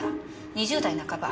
２０代半ば。